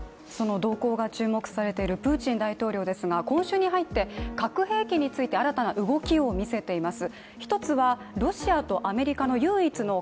動向が注目されているプーチン大統領ですが、今週に入って核兵器について新たな動きを見せています。